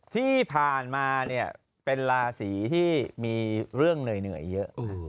ที่ผ่านมาเนี่ยเป็นราศีที่มีเรื่องเหนื่อยเยอะ